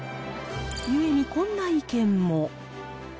ゆえにこんな意見も。